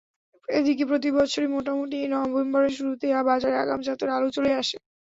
এদিকে প্রতিবছরই মোটামুটি নভেম্বরের শুরুতেই বাজারে আগাম জাতের আলু চলে আসে।